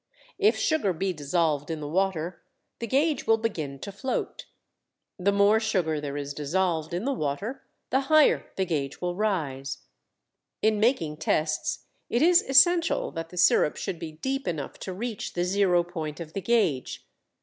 If sugar be dissolved in the water the gauge will begin to float. The more sugar there is dissolved in the water the higher the gauge will rise. In making tests it is essential that the sirup should be deep enough to reach the zero point of the gauge.